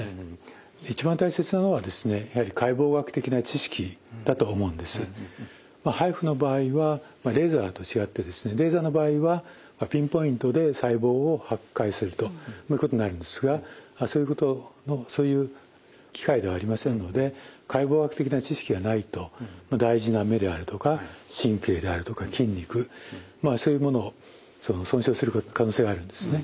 一番大切なのはやはりＨＩＦＵの場合はレーザーと違ってレーザーの場合はピンポイントで細胞を破壊するということになるんですがそういう機械ではありませんので解剖学的な知識がないと大事な目であるとか神経であるとか筋肉そういうものを損傷する可能性があるんですね。